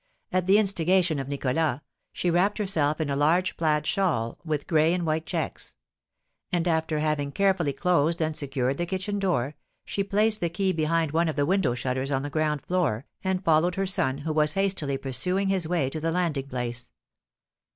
At the instigation of Nicholas, she wrapped herself in a large plaid shawl, with gray and white checks; and, after having carefully closed and secured the kitchen door, she placed the key behind one of the window shutters on the ground floor, and followed her son, who was hastily pursuing his way to the landing place.